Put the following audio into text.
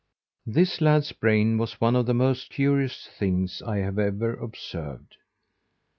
This lad's brain was one of the most curious things I have ever observed.